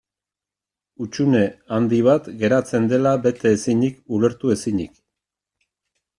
Hutsune handi bat geratzen dela bete ezinik, ulertu ezinik.